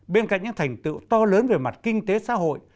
bên cạnh những thành tựu to lớn về mặt kinh tế xã hội